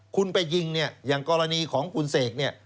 คุณไปยิงเนี่ยอย่างกรณีของคุณเสกเนี่ย